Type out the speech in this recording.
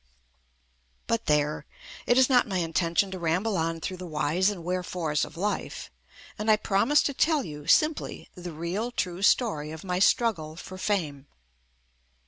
But there ! It is not my intention to ramble on through the whys and wherefores of life, and I promise to tell you simply the real true story of my struggle for fame.